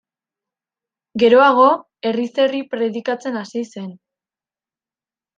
Geroago, herriz herri predikatzen hasi zen.